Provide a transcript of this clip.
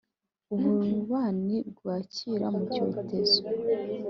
ububani bwakira mu cyotezo,